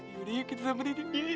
yaudah yuk kita samberin